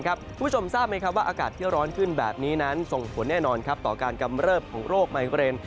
คุณผู้ชมทราบไหมครับว่าอากาศที่ร้อนขึ้นแบบนี้นั้นส่งผลแน่นอนต่อการกำเริบของโรคไมเกรน